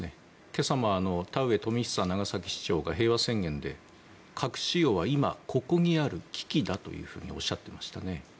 今朝も田上富久長崎市長が平和宣言で核使用は今、ここにある危機だとおっしゃっていましたね。